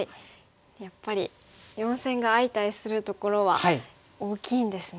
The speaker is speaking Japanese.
やっぱり四線が相対するところは大きいんですね。